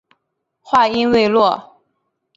语音未落